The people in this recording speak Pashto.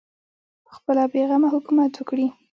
پخپله بې غمه حکومت وکړي